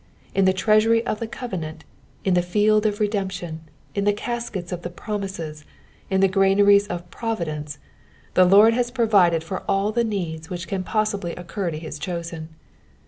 In the treasury of the covenant, in the field of redemption, in the caskets of the promises, in the granaries of providence, the Lord has provided for all the needs which can posnbly occur to his chosen.